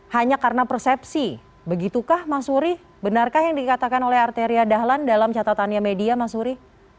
hanya karena persepsi begitukah mas suri benarkah yang dikatakan oleh arteria dahlan dalam catatannya media masuri